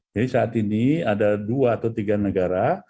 jadi saat ini ada dua atau tiga negara